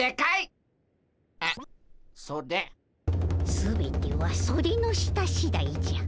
全てはソデの下しだいじゃ。